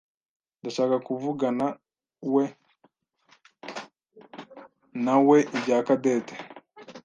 Ndashaka kuvuganawe nawe ibya Cadette.